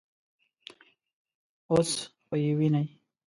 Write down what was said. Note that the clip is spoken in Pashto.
_اوس خو يې وينې.